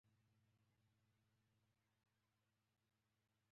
هغوی د سهار لاندې د راتلونکي خوبونه یوځای هم وویشل.